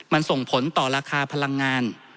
มันส่งผลต่อราคาพลังงาน